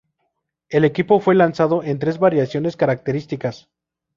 El equipo fue lanzado en tres variaciones características.